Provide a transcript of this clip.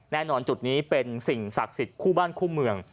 แน่นอนจุดนี้เป็นสิ่งศักดิ์สิทธิ์คู่บ้านคู่เมือง